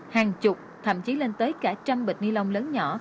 hàng chục thậm chí lên tới cả trăm bịch ni lông lớn nhỏ